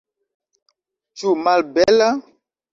Ĉu malbela?